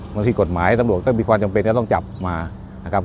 บางทีกฎหมายตำรวจก็มีความจำเป็นจะต้องจับมานะครับ